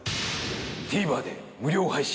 ＴＶｅｒで無料配信。